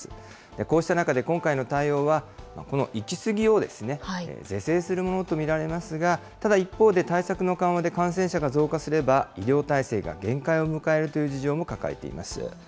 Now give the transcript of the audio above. こうした中で今回の対応は、この行き過ぎを是正するものと見られますが、ただ一方で対策の緩和で感染者が増加すれば、医療体制が限界を迎えるという事情も抱えています。